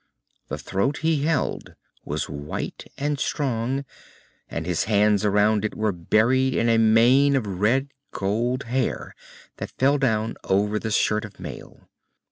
The throat he held was white and strong, and his hands around it were buried in a mane of red gold hair that fell down over the shirt of mail.